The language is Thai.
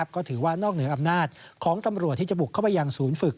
ก็ถือว่านอกเหนืออำนาจของตำรวจที่จะบุกเข้าไปยังศูนย์ฝึก